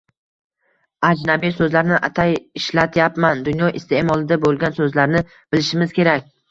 Ajnabiy so‘zlarni atay ishlatyapman – dunyo iste’molida bo‘lgan so‘zlarni bilishimiz kerak.